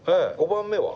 ５番目は？